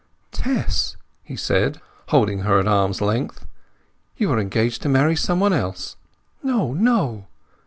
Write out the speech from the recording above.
"Tess," he said, holding her at arm's length, "you are engaged to marry some one else!" "No, no!"